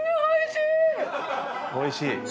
おいしい！